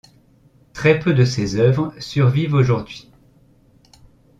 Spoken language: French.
Très peu de ses œuvres survivent aujourd'hui.